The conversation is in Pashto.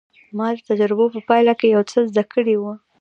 ما د تجربو په پايله کې يو څه زده کړي وو.